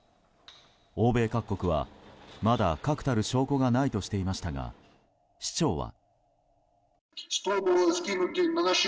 欧米各国は、まだ確たる証拠がないとしていましたが市長は。